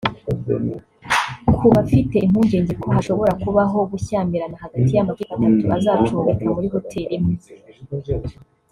Ku bafite impungenge ko hashobora kubaho gushyamirana hagati y’amakipe atatu azacumbika muri Hoteli imwe